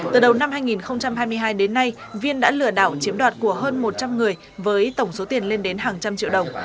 từ đầu năm hai nghìn hai mươi hai đến nay viên đã lừa đảo chiếm đoạt của hơn một trăm linh người với tổng số tiền lên đến hàng trăm triệu đồng